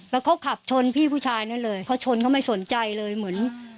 แล้วเขาขับชนพี่ผู้ชายนั่นเลยเขาชนเขาไม่สนใจเลยเหมือน